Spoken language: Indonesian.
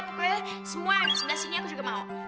pokoknya semua yang di sebelah sini aku juga mau